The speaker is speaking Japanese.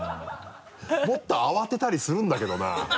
もっと慌てたりするんだけどな。